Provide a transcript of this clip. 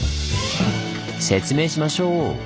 説明しましょう！